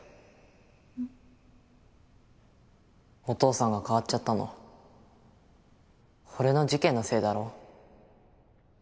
お父さんが変わっちゃったの俺の事件のせいだろ？